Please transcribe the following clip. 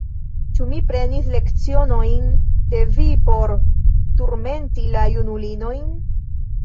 Ĉu mi prenis lecionojn de vi por turmenti la junulinojn?